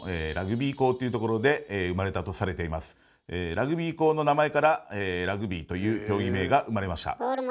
ラグビー校の名前から「ラグビー」という競技名が生まれました。